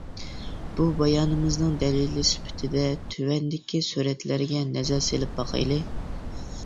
بۇ بايانىمىزنىڭ دەلىلى سۈپىتىدە تۆۋەندىكى سۈرەتلەرگە نەزەر سېلىپ باقايلى.